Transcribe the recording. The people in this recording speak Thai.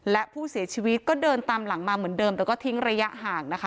และผู้เสียชีวิตก็เดินตามหลังมาเหมือนเดิมแต่ก็ทิ้งระยะห่างนะคะ